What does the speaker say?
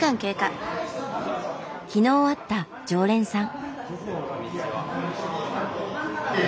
昨日会った常連さん。